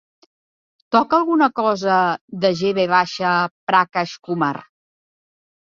Toca alguna cosa de G. V. Prakash Kumar